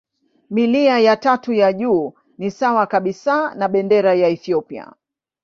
Milia ya tatu ya juu ni sawa kabisa na bendera ya Ethiopia.